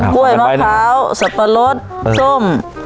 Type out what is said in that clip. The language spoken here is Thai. กล้วยมะขาวสัตว์ปะรดส้ม